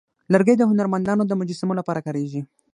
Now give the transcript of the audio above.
لرګی د هنرمندانو د مجسمو لپاره کارېږي.